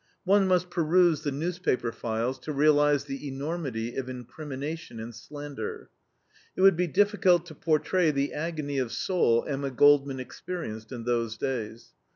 One must peruse the newspaper files to realize the enormity of incrimination and slander. It would be difficult to portray the agony of soul Emma Goldman experienced in those days.